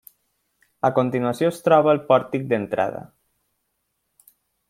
A continuació es troba el pòrtic d'entrada.